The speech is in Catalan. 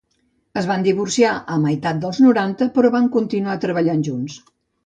Es van divorciar a meitat dels noranta però van continuar treballant junts.